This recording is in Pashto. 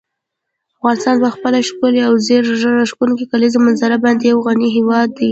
افغانستان په خپله ښکلې او زړه راښکونکې کلیزو منظره باندې یو غني هېواد دی.